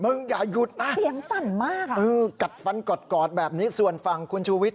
มึงอย่ายุดนะคุณชูวิทย์กัดฟันกอดแบบนี้ส่วนฟังคุณชูวิทย์